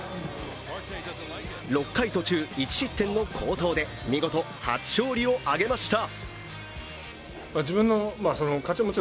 ６回途中１失点の好投で見事、初勝利を挙げました。